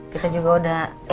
kita juga udah